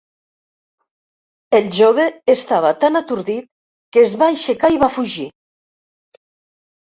El jove estava tan atordit que es va aixecar i va fugir.